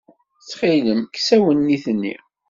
Ttxilem, kkes awennit-nni.